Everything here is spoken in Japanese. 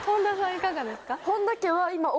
いかがですか？